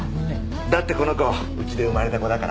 だってこの子うちで生まれた子だから。